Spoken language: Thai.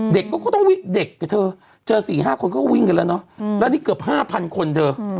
เด็กก็ต้องวิ่งเจอ๔๕คนก็วิ่งกันแล้วเนอะแล้วนี่เกือบ๕๐๐๐คนเธอ